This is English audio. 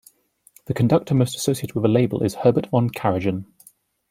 The conductor most associated with the label is Herbert von Karajan.